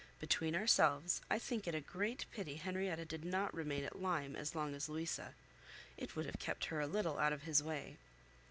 Between ourselves, I think it a great pity Henrietta did not remain at Lyme as long as Louisa; it would have kept her a little out of his way.